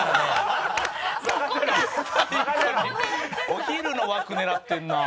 お昼の枠狙ってるな。